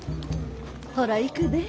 ほら行くで。